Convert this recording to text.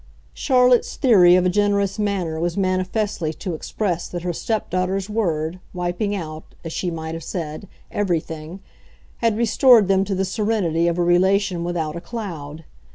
Charlotte's theory of a generous manner was manifestly to express that her stepdaughter's word, wiping out, as she might have said, everything, had restored them to the serenity of a relation without a cloud.